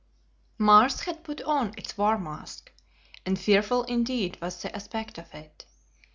Mars had put on its war mask, and fearful indeed was the aspect of it!